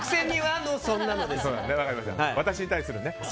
私に対するね。